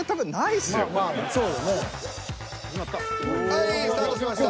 はいスタートしました。